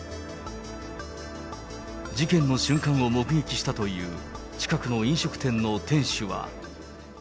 事件の瞬間を目撃したという、近くの飲食店の店主は。